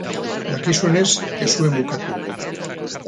Dakizuenez, ez zuen bukatu.